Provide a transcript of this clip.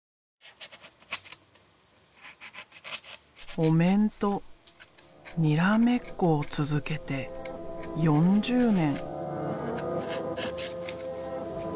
お面とにらめっこを続けて４０年。